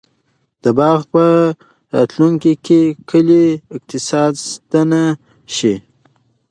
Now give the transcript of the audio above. دا باغ به په راتلونکي کې د کلي د اقتصاد ستنه شي.